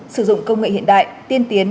sử dụng công nghệ hiện đại tiên tiến